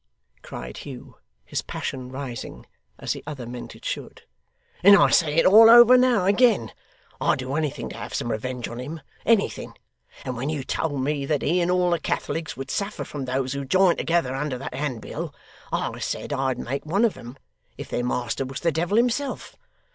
cried Hugh, his passion rising, as the other meant it should; 'and I say it all over now, again. I'd do anything to have some revenge on him anything. And when you told me that he and all the Catholics would suffer from those who joined together under that handbill, I said I'd make one of 'em, if their master was the devil himself.